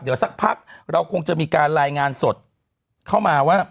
เดี๋ยวสักพักเราคงจะมีการรายงานสดเข้ามาว่า